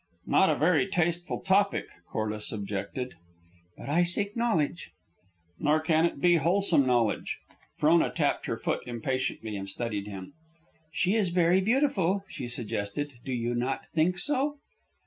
"Not a very tasteful topic," Corliss objected. "But I seek knowledge." "Nor can it be wholesome knowledge." Frona tapped her foot impatiently, and studied him. "She is beautiful, very beautiful," she suggested. "Do you not think so?"